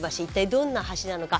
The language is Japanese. どんな橋なのか